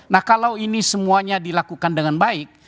nah kalau ini semuanya dilakukan dengan baik